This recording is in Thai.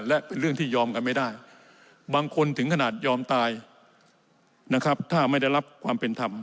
และเป็นเรื่องที่ยอมกันไม่ได้บางคนถึงขนาดยอมตายนะครับถ้าไม่ได้รับความเป็นธรรม